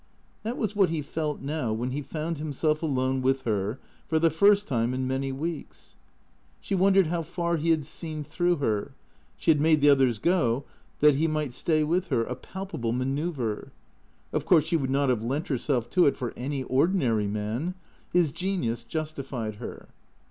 That was what he felt now when he found himself alone with her for the first time in many weeks. She wondered how far he had seen through her. She had made the others go that he might stay with her, a palpable manoeuvre. Of course she would not have lent herself to it for any ordinary man. His genius justified her.